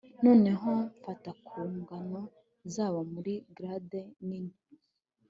noneho mfata ku ngano zabo muri glade nini